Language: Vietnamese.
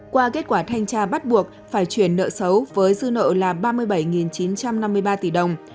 qua kết quả thanh tra bắt buộc phải chuyển nợ xấu với dư nợ là ba mươi bảy chín trăm năm mươi ba tỷ đồng